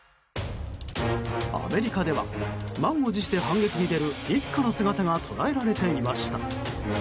アメリカでは満を持して反撃に出る一家の姿が捉えられていました。